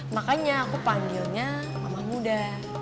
makanya aku panggilnya mama muda